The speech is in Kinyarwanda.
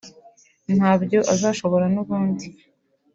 ntabyo azashobora n’ubundi